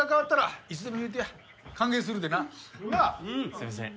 すいません。